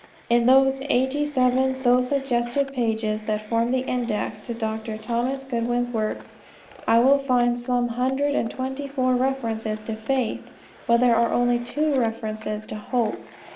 In those eighty seven so suggestive pages that form the index to Dr. Thomas Goodwin's works I find some hundred and twenty four references to "faith," while there are only two references to "hope."